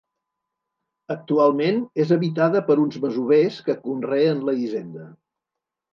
Actualment és habitada per uns masovers que conreen la hisenda.